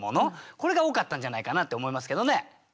これが多かったんじゃないかなって思いますけどね。